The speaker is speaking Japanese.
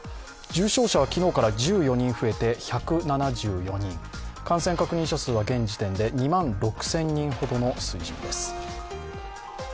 重症者は昨日から１４人増えて１７４人感染確認者数は現時点で２万６０００人ほどの水準です。